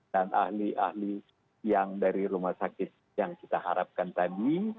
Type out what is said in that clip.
dan ahli ahli yang dari rumah sakit yang kita harapkan tadi